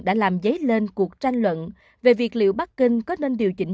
đã làm dấy lên cuộc tranh luận về việc liệu bắc kinh có nên điều chỉnh